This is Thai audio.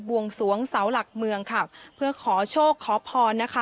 วงสวงเสาหลักเมืองค่ะเพื่อขอโชคขอพรนะคะ